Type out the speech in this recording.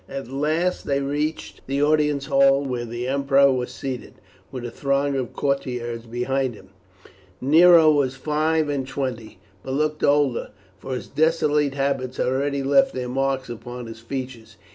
At last they reached the audience hall, where the emperor was seated with a throng of courtiers behind him. Nero was five and twenty, but looked older, for his dissolute habits had already left their marks upon his features.